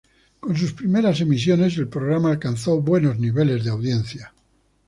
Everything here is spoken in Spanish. Con sus primeras emisiones el programa alcanzó buenos niveles de audiencia.